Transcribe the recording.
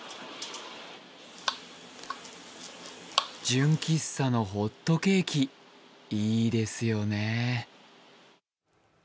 純喫茶のホットケーキ、いいですよね